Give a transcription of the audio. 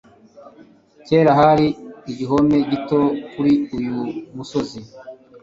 Kera hari igihome gito kuri uyu musozi.